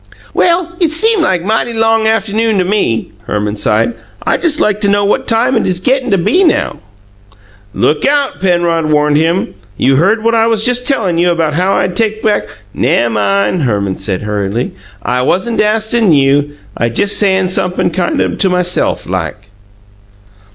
"Well, it seem like mighty long aft'noon to me," Herman sighed. "I jes' like to know what time it is gettin' to be now!" "Look out!" Penrod warned him. "You heard what I was just tellin' you about how I'd take back " "Nemmine," Herman said hurriedly. "I wasn' astin' you. I jes' sayin' sump'm' kind o' to myse'f like."